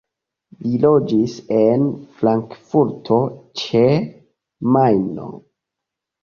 Li loĝis en Frankfurto ĉe Majno.